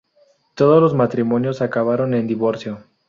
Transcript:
Todos los matrimonios acabaron en divorcio.